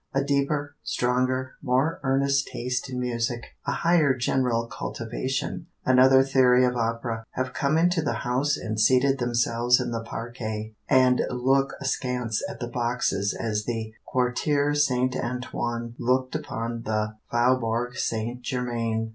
A deeper, stronger, more earnest taste in music, a higher general cultivation, another theory of opera, have come into the house and seated themselves in the parquet, and look askance at the boxes as the Quartier St. Antoine looked upon the Faubourg St. Germain.